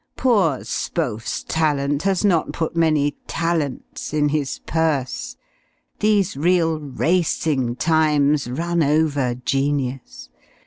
Poor Spohf's talent has not put many talents in his purse these real racing times run over genius!